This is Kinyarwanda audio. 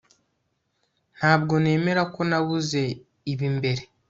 Ntabwo nemera ko nabuze ibi mbere